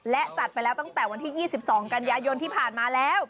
และจัดไปแล้วตั้งแต่วันที่๒๒กันยายนที่ผ่านมาแล้ว